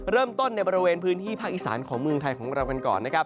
เริ่มต้นในบริเวณพื้นที่ภาคอีสานของเมืองไทยของเรากันก่อนนะครับ